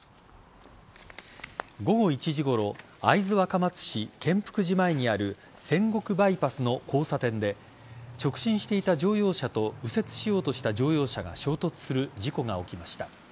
午後１時ごろ会津若松市建福寺前にある千石バイパスの交差点で直進していた乗用車と右折しようとした乗用車が衝突する事故が起きました。